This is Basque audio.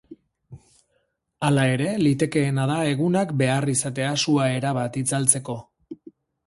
Hala ere, litekeena da egunak behar izatea sua erabat itzaltzeko.